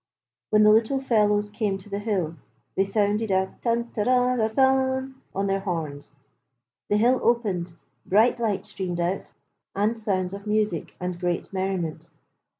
When the Little Fellows came to the hill they sounded a tan ta ra ra tan on their horns. The hill opened, bright light streamed out, and sounds of music and great merriment.